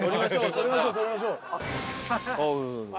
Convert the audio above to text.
撮りましょう撮りましょう。